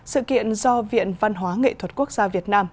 sự kiện do viện văn hóa nghệ thuật quốc gia việt nam